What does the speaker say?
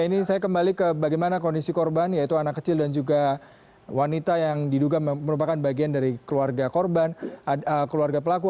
ini saya kembali ke bagaimana kondisi korban yaitu anak kecil dan juga wanita yang diduga merupakan bagian dari keluarga korban keluarga pelaku